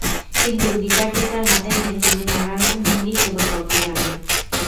কিন্তু গিটার-টিটার হাতে নিয়ে তিনি নানা রকম ভঙ্গিই কেবল করতে জানেন।